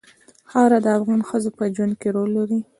خاوره د افغان ښځو په ژوند کې رول لري.